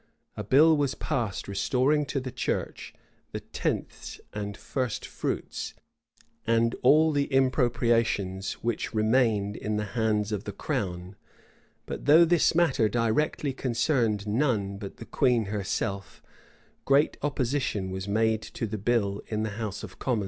[] A bill[v] was passed restoring to the church the tenths and first fruits, and all the impropriations which remained in the hands of the crown; but though this matter directly concerned none but the queen herself, great opposition was made to the bill in the house of commons.